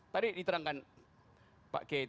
tadi diterangkan pak k